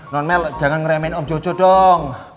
non mel jangan ngeremen om jojo dong